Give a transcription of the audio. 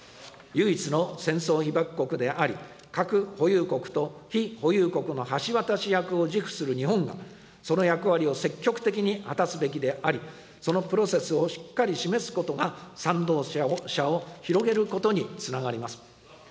唯一の戦争被爆国であり、核保有国と非保有国の橋渡し役を自負する日本が、その役割を積極的に果たすべきであり、そのプロセスをしっかり示すことが、賛同者を広げることにつながります。